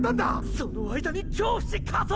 その間に京伏加速！！